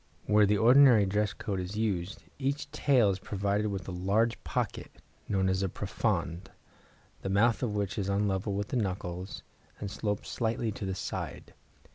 Where the ordinary dress coat is used, each tail is provided with a large pocket, known as a profonde, the mouth of which is on a level with the knuckles, and slopes slightly to the side.